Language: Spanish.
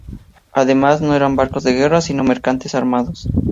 Además, no eran barcos de guerra sino mercantes armados.